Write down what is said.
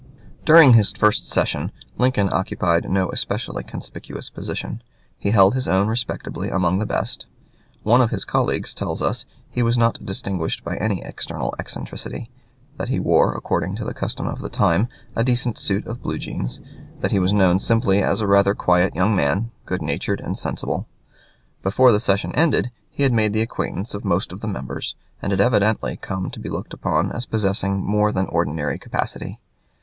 During his first session Lincoln occupied no especially conspicuous position. He held his own respectably among the best. One of his colleagues tells us he was not distinguished by any external eccentricity; that he wore, according to the custom of the time, a decent suit of blue jeans; that he was known simply as a rather quiet young man, good natured and sensible. Before the session ended he had made the acquaintance of most of the members, and had evidently come to be looked upon as possessing more than ordinary capacity.